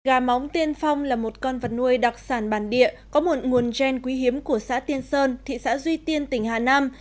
gà móng tiên phong là một con vật nuôi đặc sản bản địa có một nguồn gen quý hiếm của xã tiên sơn thị xã duy tiên tỉnh hà nam